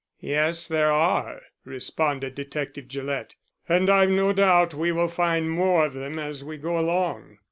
"Yes, there are," responded Detective Gillett, "and I've no doubt we will find more of them as we go along."